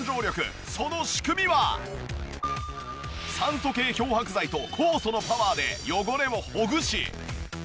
酸素系漂白剤と酵素のパワーで汚れをほぐし。